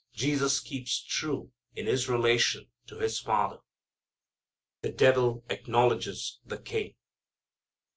Jesus keeps true in His relation to His Father. The Devil Acknowledges the King.